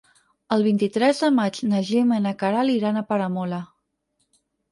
El vint-i-tres de maig na Gemma i na Queralt iran a Peramola.